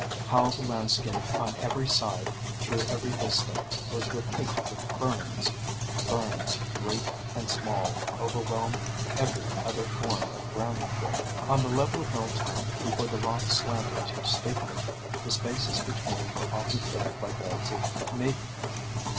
How the landscape on every side, through every vista, was replete with Ferns — Ferns great and small overwhelming every other form of ground growth. On the level hill top before the rocks slanted too steeply, the spaces between were often filled by beds of Maidenhair.